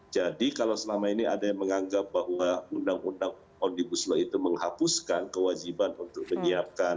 jadi kalau selama ini ada yang menganggap bahwa undang undang omnibus law itu menghapuskan kewajiban untuk menyiapkan